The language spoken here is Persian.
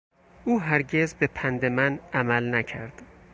او هرگز به پند من عمل نکرد.